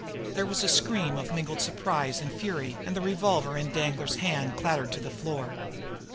There was a scream of mingled surprise and fury, and the revolver in Danglar's hand clattered to the floor.